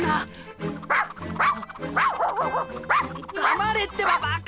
黙れってばバカ！